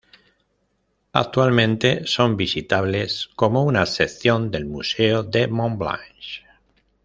Actualmente son visitables como una sección del Museo de Montblanch.